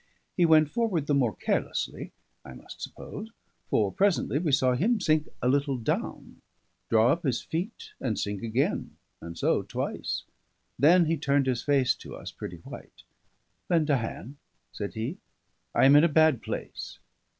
He went forward the more carelessly, I must suppose; for presently we saw him sink a little down, draw up his feet and sink again, and so twice. Then he turned his face to us, pretty white. "Lend a hand," said he, "I am in a bad place."